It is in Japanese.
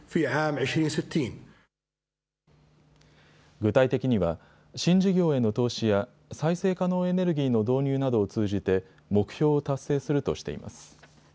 具体的には新事業への投資や再生可能エネルギーの導入などを通じて目標を達成するとしています。